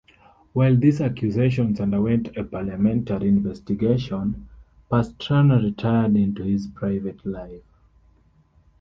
While this accusation underwent a parliamentary investigation, Pastrana retired into his private life.